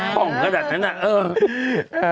ป่องก็แบบนั้นนะเออ